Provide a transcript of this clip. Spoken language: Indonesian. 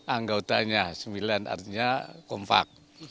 anggau tanya sembilan artinya kompak